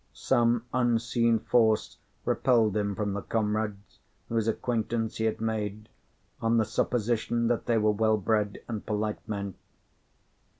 Some unseen force repelled him from the comrades whose acquaintance he had made, on the supposition that they were well bred and polite men.